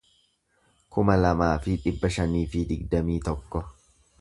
kuma lamaa fi dhibba shanii fi digdamii tokko